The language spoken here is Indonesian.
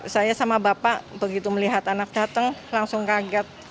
saya sama bapak begitu melihat anak datang langsung kaget